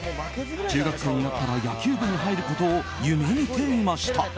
中学生になったら野球部に入ることを夢見ていました。